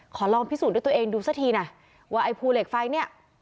ลองพิสูจน์ด้วยตัวเองดูซะทีนะว่าไอ้ภูเหล็กไฟเนี่ย